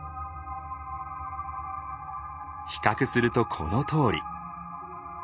比較するとこのとおり。